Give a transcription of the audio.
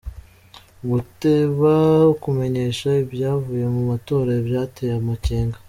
Uguteba kumenyesha ivyavuye mu matora vyateye amakenga.